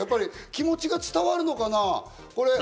気持ちが伝わるのかな？